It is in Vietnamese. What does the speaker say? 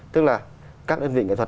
tức là các đơn vị nghệ thuật